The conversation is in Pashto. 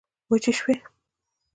وچي شوې